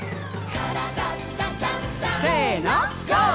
「からだダンダンダン」せのＧＯ！